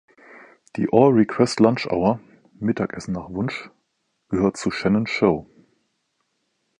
Die All Request Lunch Hour (Mittagessen nach Wunsch) gehört zu Shannons Show.